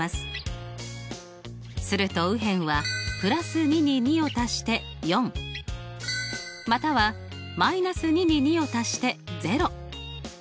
すると右辺は＋２に２を足して４または−２に２を足して０。